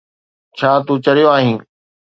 ڇا تون چريو آهين؟